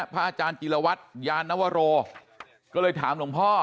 พระอาจารย์จิลวัตรยานวโรก็เลยถามหลวงพ่อ